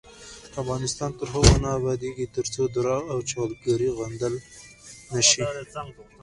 افغانستان تر هغو نه ابادیږي، ترڅو درواغ او جعلکاری غندل نشي.